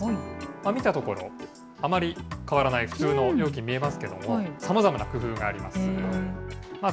見たところ、あまり変わらない、普通の容器に見えますけれども、さまざまな工夫があります。